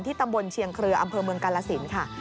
ตำบลเชียงเครืออำเภอเมืองกาลสินค่ะ